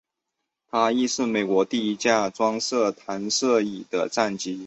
它亦是美国第一架装设弹射椅的战机。